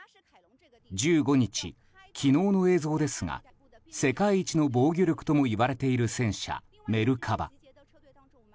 １５日、昨日の映像ですが世界一の防御力ともいわれている戦車メルカバ。